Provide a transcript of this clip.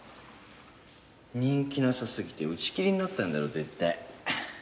人気なさすぎて打ち切りになったんだろ絶対。